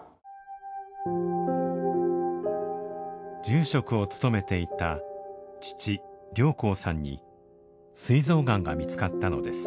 住職を務めていた父良廣さんにすい臓がんが見つかったのです。